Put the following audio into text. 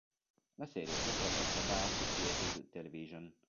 La serie fu prodotta da Associated Television.